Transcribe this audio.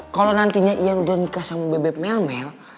kalo nantinya ian udah nikah sama bebek melmel